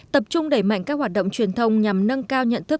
tập trung đẩy mạnh các hoạt động truyền thông nhằm nâng cao nhận thức